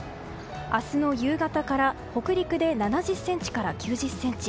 明日の夕方から北陸で７０ｃｍから９０ｃｍ。